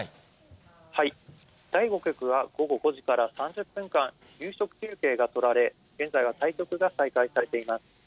第５局は午後５時から３０分間、夕食休憩が取られ、現在は対局が再開されています。